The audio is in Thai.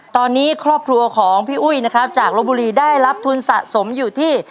ตอนนี้ครอบครัวของพี่อุ้ยนะครับจากลบบุรีได้รับทุนสะสมอยู่ที่